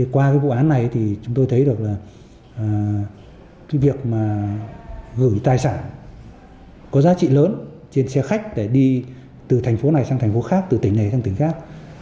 qua vụ án này chúng tôi thấy được việc gửi tài sản có giá trị lớn trên xe khách để đi từ thành phố này sang thành phố khác từ tỉnh này sang tỉnh khác